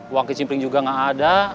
uang kecimpring juga gak ada